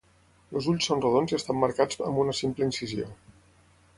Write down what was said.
Els ulls són rodons i estan marcats amb una simple incisió.